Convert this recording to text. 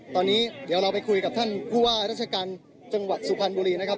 ตอนนี้เดี๋ยวเราไปคุยกับท่านผู้ว่าราชการจังหวัดสุพรรณบุรีนะครับ